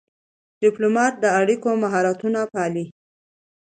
ډيپلومات د اړیکو مهارتونه پالي.